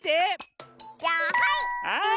じゃあはい！